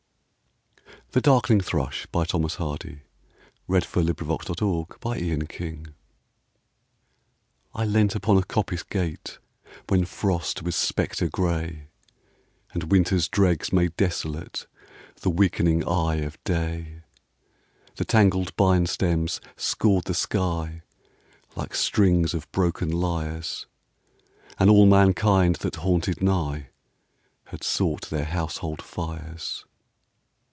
The Darkling Thrush I LEANT upon a coppice gate, When Frost was spectre gray, And Winter's dregs made desolate The weakening eye of day. The tangled bine stems scored the sky Like strings of broken lyres, And all mankind that haunted nigh Had sought their household fires.